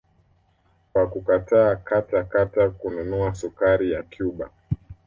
Kwa kukataa kata kata kununua sukari ya Cuba